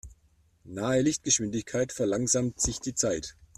Nahe Lichtgeschwindigkeit verlangsamt sich die Zeit.